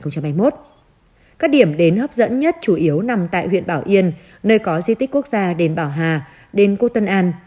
các điểm đến hấp dẫn nhất chủ yếu nằm tại huyện bảo yên nơi có di tích quốc gia đền bảo hà đền cô tân an